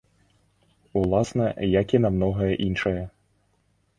Уласна, як і на многае іншае.